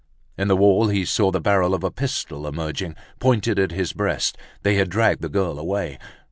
In the wall he saw the barrel of a pistol emerging, pointed at his breast. They had dragged the girl away.